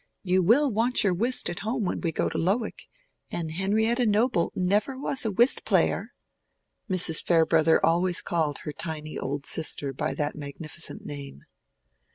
You will want your whist at home when we go to Lowick, and Henrietta Noble never was a whist player." (Mrs. Farebrother always called her tiny old sister by that magnificent name.)